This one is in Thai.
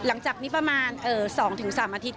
หลังจากนี้ประมาณ๒๓อาทิตย